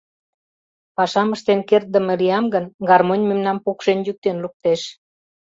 Пашам ыштен кертдыме лиям гын, гармонь мемнам пукшен-йӱктен луктеш.